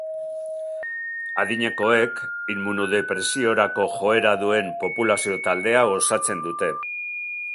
Adinekoek immunodepresiorako joera duen populazio-taldea osatzen dute.